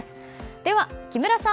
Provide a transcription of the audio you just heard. では、木村さん。